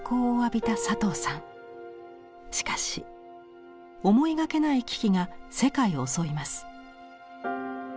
しかし思いがけない危機が世界を襲います。